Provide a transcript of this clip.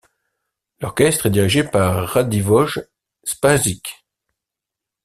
L'orchestre est dirigé par Radivoj Spasić.